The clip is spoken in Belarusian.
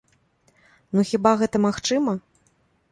Ну хіба гэта магчыма?